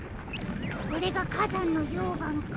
これがかざんのようがんか。